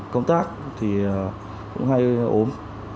còn cán bộ chiến sĩ thì cũng hay ốm